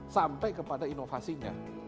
sampai kepada inovasinya